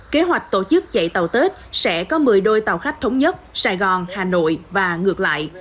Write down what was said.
kế hoạch tổ chức chạy tàu tết sẽ có một mươi đôi tàu khách thống nhất sài gòn hà nội và ngược lại